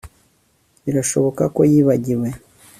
Birashoboka ko yibagiwe